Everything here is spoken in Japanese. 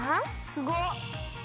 すごっ！